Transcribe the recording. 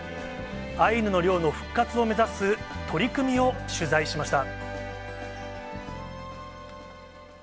アイヌの猟の復活を目指す取り組みを取材しました。